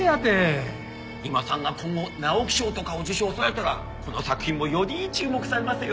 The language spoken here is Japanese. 三馬さんが今後直木賞とかを受賞されたらこの作品もより注目されますよ。